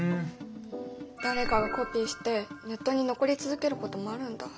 誰かがコピーしてネットに残り続けることもあるんだ。